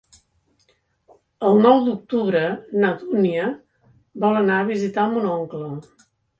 El nou d'octubre na Dúnia vol anar a visitar mon oncle.